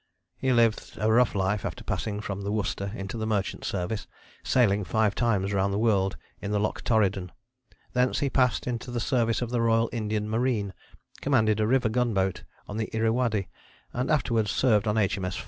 He lived a rough life after passing from the Worcester into the merchant service, sailing five times round the world in the Loch Torridon. Thence he passed into the service of the Royal Indian Marine, commanded a river gunboat on the Irrawaddy, and afterwards served on H.M.S.